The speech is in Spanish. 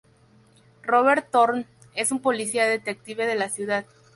Robert Thorn es un policía detective de la ciudad.